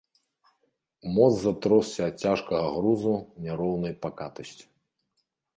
Мост затросся ад цяжкага грузу няроўнаю пакатасцю.